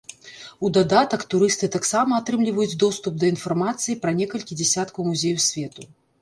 У дадатак турысты таксама атрымліваюць доступ да інфармацыі пра некалькі дзесяткаў музеяў свету.